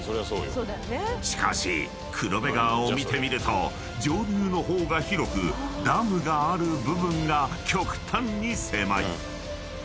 ［しかし黒部川を見てみると上流の方が広くダムがある部分が極端に狭い］